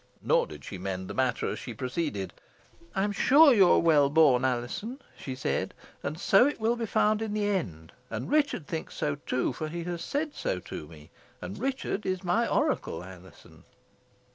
Nor did she mend the matter as she proceeded. "I am sure you are well born, Alizon," she said, "and so it will be found in the end. And Richard thinks so, too, for he said so to me; and Richard is my oracle, Alizon."